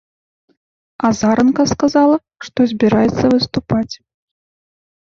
Азаранка сказала, што збіраецца выступаць.